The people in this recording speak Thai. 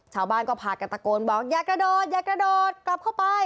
ชาวบ้านก็พากันตะโกนบอกอย่ากระโดดอย่ากระโดดกลับเข้าไป